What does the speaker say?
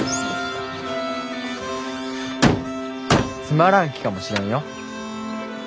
つまらん木かもしれんよ。